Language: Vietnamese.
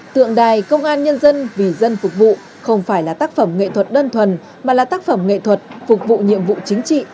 tượng đài công an nhân dân vì dân phục vụ không phải là tác phẩm nghệ thuật đơn thuần mà là tác phẩm nghệ thuật phục vụ nhiệm vụ chính trị